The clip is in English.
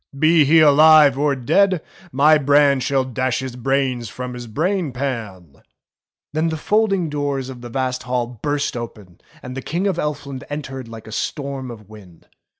Be he alive or dead, my brand Shall dash his brains from his brain pan." CHILDE ROWLAND 287 Then the folding doors of the vast hall burst open and the King of Elfland entered like a storm of wind.